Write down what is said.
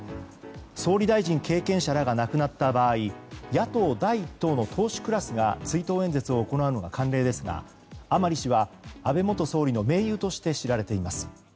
総理大臣経験者らが亡くなった場合野党第１党の党首クラスが追悼演説を行うのが慣例ですが甘利氏は安倍元総理の盟友として知られています。